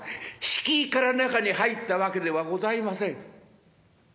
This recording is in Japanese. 敷居から中に入ったわけではございません。